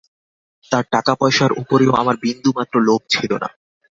তার টাকা পয়সার ওপরেও আমার বিন্দুমাত্র লোভ ছিল না।